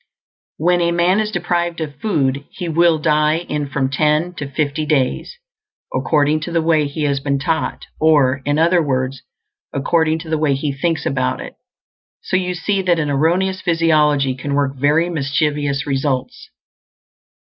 When a man is deprived of food he will die in from ten to fifty days, according to the way he has been taught; or, in other words, according to the way he thinks about it. So you see that an erroneous physiology can work very mischievous results.